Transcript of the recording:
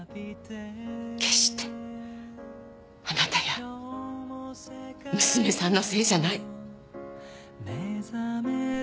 決してあなたや娘さんのせいじゃない。